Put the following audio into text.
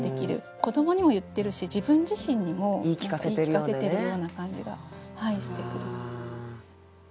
子どもにも言ってるし自分自身にも言い聞かせてるような感じがしてくる。